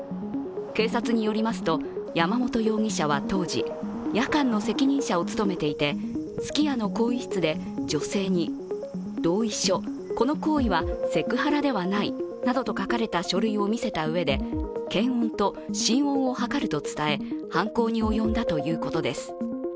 警察によりますと、山本容疑者は当時夜間の責任者を務めていて、すき家の更衣室で女性に「同意書この行為はセクハラではない」などと書かれた書類を見せたうえで検温と心音をはかると伝え犯行に及んだということです。